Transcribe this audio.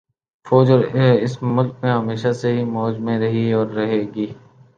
فوج اس ملک میں ہمیشہ سے ہی موج میں رہی ہے اور رہے گی